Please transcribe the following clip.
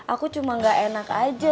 aku cuma gak enak aja